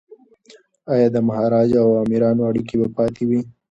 ایا د مهاراجا او امیرانو اړیکي به پاتې وي؟